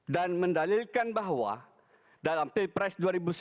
dan mendalilkan bahwa dalam pilpres dua ribu sembilan belas